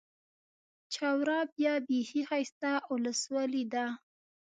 چوره بيا بېخي ښايسته اولسوالي ده.